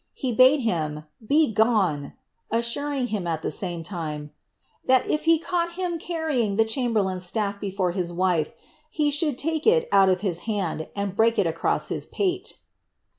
He bade him " Begone !" assuring him, al the same linif. "that if he caught him carrying the chamberlain's staff before his wile, he should take it out of his' hand, and break it across his pate.'